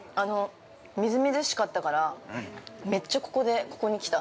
みずみずしかったから、めっちゃここに来た。